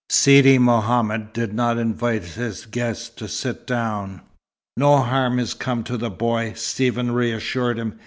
Sidi Mohammed did not invite his guest to sit down. "No harm has come to the boy," Stephen reassured him.